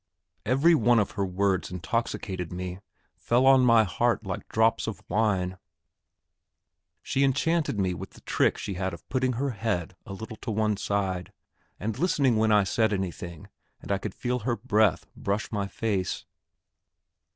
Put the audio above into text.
Every one of her words intoxicated me, fell on my heart like drops of wine. She enchanted me with the trick she had of putting her head a little on one side, and listening when I said anything, and I could feel her breath brush my face.